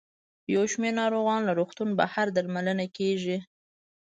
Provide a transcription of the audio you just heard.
یو شمېر ناروغان له روغتون بهر درملنه کیږي.